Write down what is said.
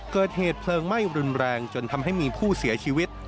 เกิดเหตุเพลิงไหม้รุนแรงจนทำให้มีผู้เสียชีวิต